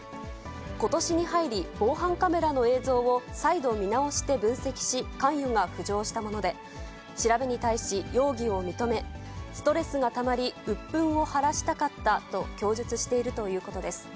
ことしに入り、防犯カメラの映像を再度見直して分析し、関与が浮上したもので、調べに対し容疑を認め、ストレスがたまり、うっぷんを晴らしたかったと供述しているということです。